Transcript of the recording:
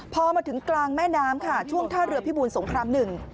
พอมาถึงกลางแม่น้ำค่ะช่วงท่าเรือพิบูรสงครามหนึ่ง